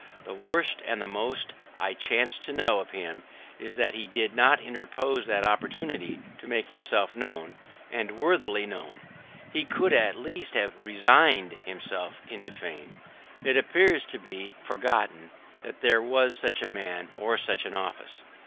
The worst and the most I chance to know of him is that he did not improve that opportunity to make himself known, and worthily known. He could at least have resigned himself into fame. It appeared to be forgotten that there was such a man or such an office.